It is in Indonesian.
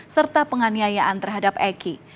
serta penganiayaan terhadap eki